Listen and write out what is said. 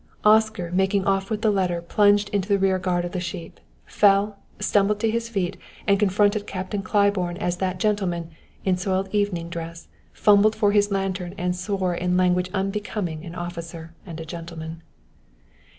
Oscar, making off with the letter, plunged into the rear guard of the sheep, fell, stumbled to his feet, and confronted Captain Claiborne as that gentleman, in soiled evening dress, fumbled for his lantern and swore in language unbecoming an officer and a gentleman.